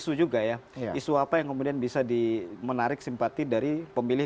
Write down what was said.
untuk bisa diperbaiki